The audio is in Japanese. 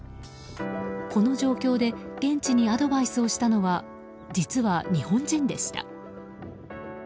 この状況で現地にアドバイスをしたのは実は日本人でした。